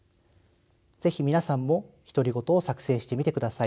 是非皆さんも独り言を作成してみてください。